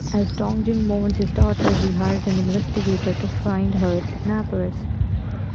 As Dong-jin mourns his daughter, he hires an investigator to find her kidnappers.